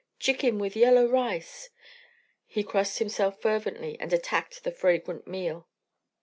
Chicken with yellow rice!" He crossed himself fervently and attacked the fragrant meal.